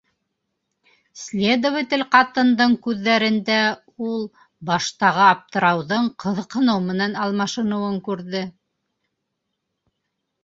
Следователь ҡатындың күҙҙәрендә ул баштағы аптырауҙың ҡыҙыҡһыныу менән алмашыныуын күрҙе.